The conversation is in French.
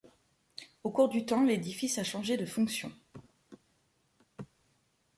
Au cours du temps, l'édifice a changé de fonction.